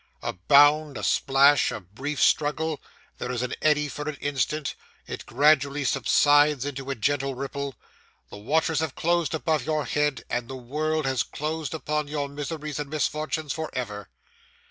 A bound, a splash, a brief struggle; there is an eddy for an instant, it gradually subsides into a gentle ripple; the waters have closed above your head, and the world has closed upon your miseries and misfortunes for ever.